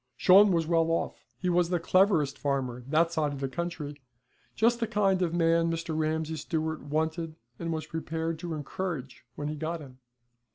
Shawn was well off. He was the cleverest farmer that side of the country, just the kind of man Mr. Ramsay Stewart wanted and was prepared to encourage when he got him.